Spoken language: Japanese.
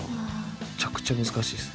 めちゃくちゃ難しいです。